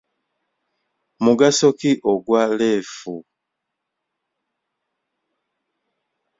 Mugaso ki ogwa leefu?